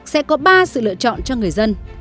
sẽ có ba sự lựa chọn cho người dân